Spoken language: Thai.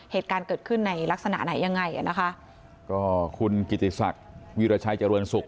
เหตุการณ์เกิดขึ้นในลักษณะไหนยังไงอ่ะนะคะก็คุณกิติศักดิ์วิราชัยเจริญสุข